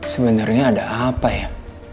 sebenarnya ada apa ya